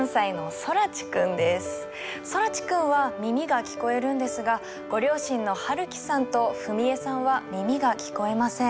空知くんは耳が聞こえるんですがご両親の晴樹さんと史恵さんは耳が聞こえません。